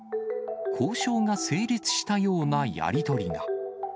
交渉が成立したようなやり取りが。